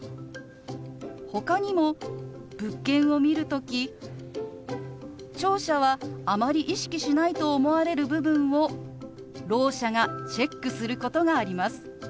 ほかにも物件を見る時聴者はあまり意識しないと思われる部分をろう者がチェックすることがあります。